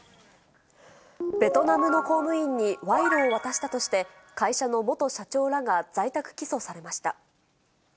ベトナムの公務員に賄賂を渡したとして、会社の元社長らが在宅起訴されました。